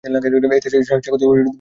এতে স্বাগতিক দল পরাজয়বরণ করেছিল।